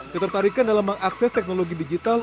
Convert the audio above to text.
ketertarikan dalam mengakses teknologi digital